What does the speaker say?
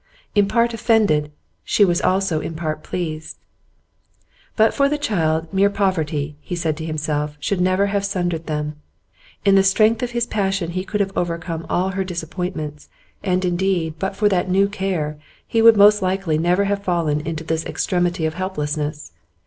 In part offended, she was also in part pleased. But for the child, mere poverty, he said to himself, should never have sundered them. In the strength of his passion he could have overcome all her disappointments; and, indeed, but for that new care, he would most likely never have fallen to this extremity of helplessness.